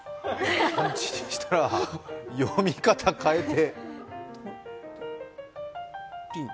漢字にしたら読み方変えて。